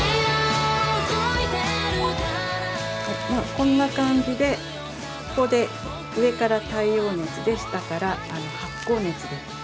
こんな感じでここで上から太陽熱で下から発酵熱で。